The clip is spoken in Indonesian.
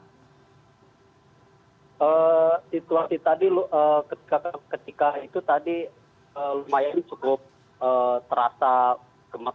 situasi tadi ketika itu lumayan cukup terasa gempa